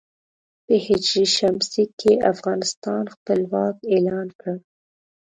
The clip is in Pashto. په ه ش کې یې افغانستان خپلواک اعلان کړ.